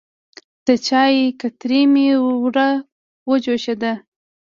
د چای کتری مې وروه جوشېده.